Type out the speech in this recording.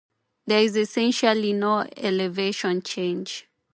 There is essentially no elevation change.